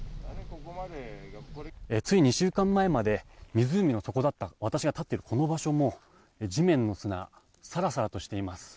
つい２週間前まで湖の底だった私が立っているこの場所も地面の砂サラサラとしています。